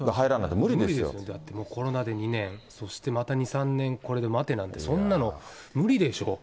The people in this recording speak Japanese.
無理ですよ、コロナで２年、そしてまた２、３年これで待てなんて、そんなの無理でしょう。